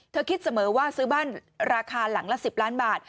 คิดเสมอว่าซื้อบ้านราคาหลังละ๑๐ล้านบาท